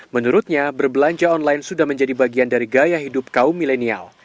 menurutnya berbelanja online sudah menjadi bagian dari gaya hidup kaum milenial